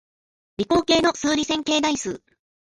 理工系の数理線形代数